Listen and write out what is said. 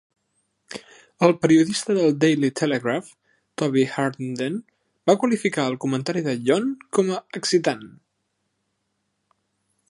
El periodista del Daily Telegraph, Toby Harnden, va qualificar el comentari de Yon com a "excitant".